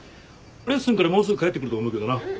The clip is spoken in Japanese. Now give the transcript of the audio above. レッスンからもうすぐ帰ってくると思うけどな。